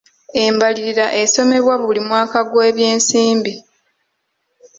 Embalirira esomebwa buli mwaka gw'ebyensimbi.